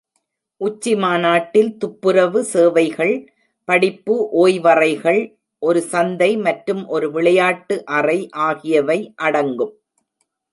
உச்சிமாநாட்டில் துப்புரவு சேவைகள், படிப்பு ஓய்வறைகள், ஒரு சந்தை மற்றும் ஒரு விளையாட்டு அறை ஆகியவை அடங்கும்.